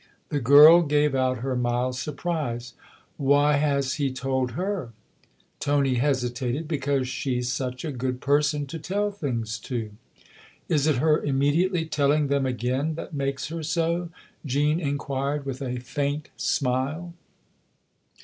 The girl gave out her mild surprise. " Why has he told her ?" Tony hesitated. " Because she's such a good person to tell things to." " Is it her immediately telling them again that makes her so ?" Jean inquired with a faint smile.